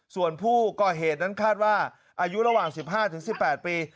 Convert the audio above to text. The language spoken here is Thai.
ส่วนผู้ก่อเหตุนั้นคาดว่าอายุระหว่างสิบห้าถึงสิบแปดปี